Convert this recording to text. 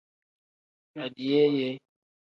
Adiyeeye.